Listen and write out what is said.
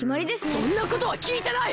そんなことはきいてない！